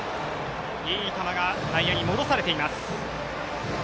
いい球が内野に戻されています。